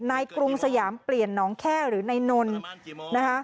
นายกรุงสยามเปลี่ยนน้องแฮ่หรือนายนนท์